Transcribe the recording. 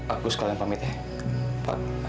aku sekalian pamit ya